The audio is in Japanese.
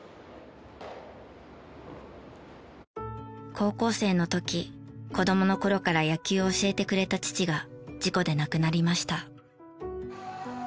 高校生の時子供の頃から野球を教えてくれた父が事故で亡くなりました。